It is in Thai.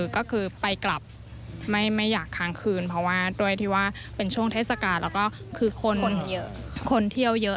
ก็คือไปกลับไม่อยากค้างคืนเพราะว่าด้วยที่ว่าเป็นช่วงเทศกาลแล้วก็คือคนเที่ยวเยอะ